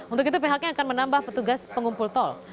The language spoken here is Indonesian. untuk itu pihaknya akan menambah petugas pengumpul tol